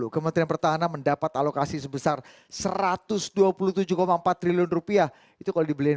kementerian pertahanan mendapat alokasi sebesar satu ratus dua puluh tujuh empat triliun rupiah itu kalau dibeliin